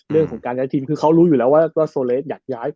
เรื่องของการย้ายทีมคือเขารู้อยู่แล้วว่าโซเลสอยากย้าย